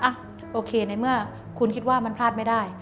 โอเคในเมื่อคุณคิดว่ามันพลาดไม่ได้